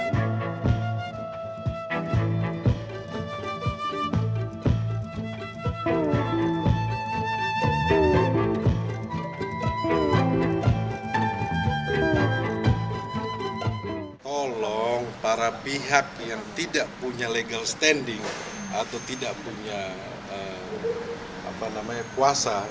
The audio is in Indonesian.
hai tolong para pihak yang tidak punya legal standing atau tidak punya apa namanya kuasa